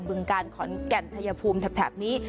ึงการขอนแก่นชัยภูมิแถบนี้